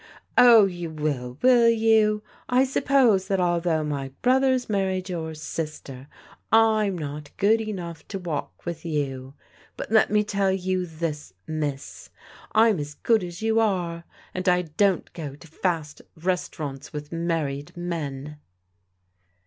Oh, you will, will you? I suppose that although my brother's married your sister, I'm not good enough to walk with you. But let me tell you this. Miss, I'm as good as you are, and I don't go to fast restaurants with married men."